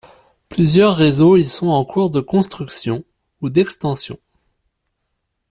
Plusieurs réseaux y sont en cours de construction ou d'extension.